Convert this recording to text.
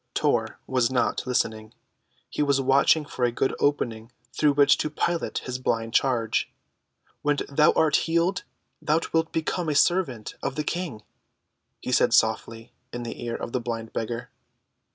Tor was not listening, he was watching for a good opening through which to pilot his blind charge. "When thou art healed, thou wilt become a servant of the King," he said softly in the ear of the blind beggar.